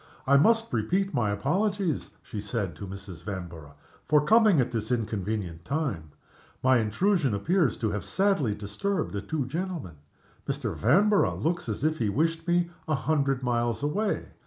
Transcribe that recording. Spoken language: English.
"I must repeat my apologies," she said to Mrs. Vanborough, "for coming at this inconvenient time. My intrusion appears to have sadly disturbed the two gentlemen. Mr. Vanborough looks as if he wished me a hundred miles away.